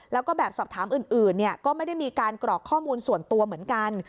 แล้วก็แบบสอบถามอื่นก็ไม่ได้มีการกรอกข้อมูลส่วนตัวเหมือนกัน